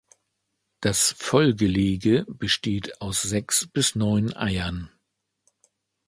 Das Vollgelege besteht aus sechs bis neun Eiern.